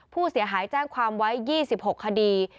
ผู้เสียหายแจ้งความไว้๒๖คดี